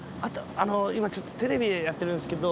今テレビでやってるんですけど。